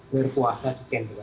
berpuasa di canberra